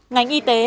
ngành y tế